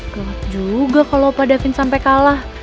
gelap juga kalo opa davin sampe kalah